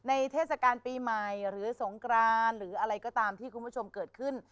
เทศกาลปีใหม่หรือสงกรานหรืออะไรก็ตามที่คุณผู้ชมเกิดขึ้น